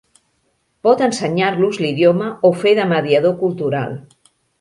Pot ensenyar-los l'idioma o fer de mediador cultural.